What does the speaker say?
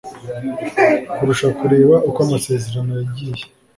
kurusha kureba uko amasezerano yagiye